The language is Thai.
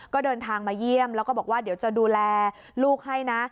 ก็เดินทางมาเยี่ยมแล้วก็บอกว่าเดี๋ยวจะดูแลลูกให้นะ